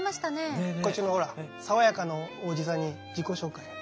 こっちのほら爽やかなおじさんに自己紹介。